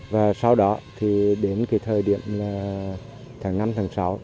với số hộ tham gia trồng hơn một hộ